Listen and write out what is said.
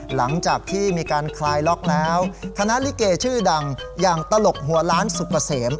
หลังจากที่มีการคลายล็อกแล้วคณะลิเกชื่อดังอย่างตลกหัวล้านสุกเกษม